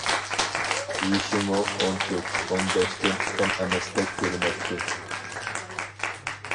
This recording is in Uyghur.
يېشىمۇ ئون تۆت-ئون بەشتىن كەم ئەمەستەك كۆرۈنەتتى.